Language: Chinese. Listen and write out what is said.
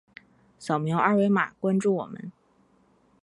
扫描二维码关注我们。